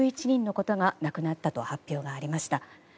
１１人の方が亡くなったと発表がありました。